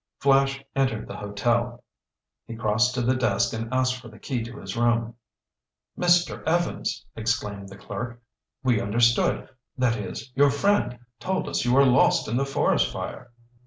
Flash entered the hotel. He crossed to the desk and asked for the key to his room. "Mr. Evans!" exclaimed the clerk. "We understood—that is, your friend told us you were lost in the forest fire!"